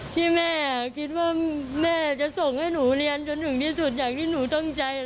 ที่แม่คิดว่าแม่จะส่งให้หนูเรียนจนถึงที่สุดอย่างที่หนูตั้งใจ